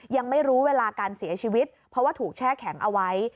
ยังไม่รู้เวลาการเสียชีวิตเพราะว่าถูกแช่แข็งเอาไว้